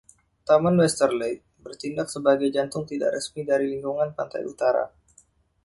Taman Westerleigh bertindak sebagai jantung tidak resmi dari lingkungan Pantai Utara.